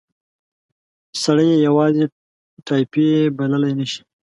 سړی یې یوازې ټایپي بللای نه شي.